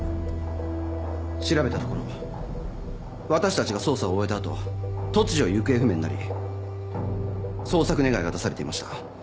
調べたところ私たちが捜査を終えた後突如行方不明になり捜索願が出されていました。